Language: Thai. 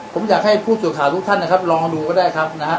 ผมอยากให้ผู้สื่อข่าวทุกท่านนะครับลองดูก็ได้ครับนะฮะ